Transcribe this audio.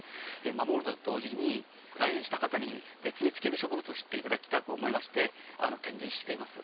守ると同時に来園した方に絶滅危惧植物を知っていただきたく展示してます。